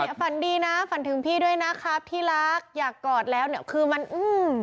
ฝันดีนะฝันถึงพี่ด้วยนะครับที่รักอยากกอดแล้วเนี่ยคือมันอืม